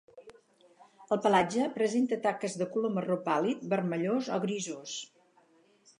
El pelatge presenta taques de color marró pàl·lid, vermellós o grisós.